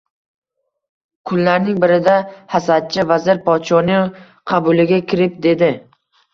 Kunlarning birida hasadchi vazir podshoning qabuliga kirib, dedi